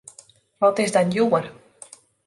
Wat is dat djoer!